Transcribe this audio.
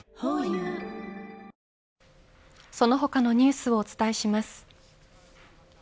ホーユーその他のニュースをお伝えします。